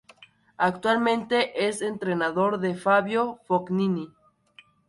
Actualmente es entrenador de Fabio Fognini.